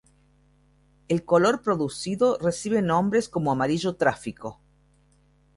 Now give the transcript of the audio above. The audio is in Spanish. El color producido recibe nombres como amarillo tráfico.